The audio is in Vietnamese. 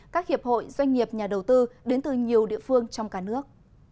các hiệp hội doanh nghiệp nhà đầu tư đến từ nhiều địa phương trong cả nước